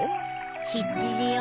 知ってるよ。